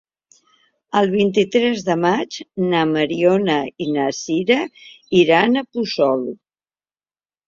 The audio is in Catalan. El vint-i-tres de maig na Mariona i na Sira iran a Puçol.